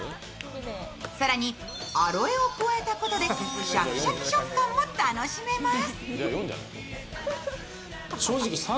更にアロエを加えたことでシャキシャキ食感も楽しめます。